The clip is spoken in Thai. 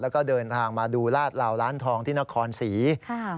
แล้วก็เดินทางมาดูลาดเหลาร้านทองที่นครศรีค่ะ